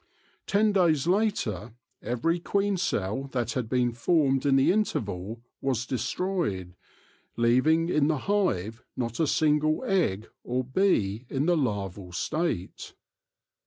Ten days later every queen cell that had been formed in the interval was destroyed, leaving in the hive not a single egg or bee in the larval state.